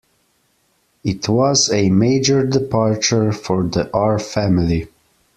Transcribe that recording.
It was a major departure for the R family.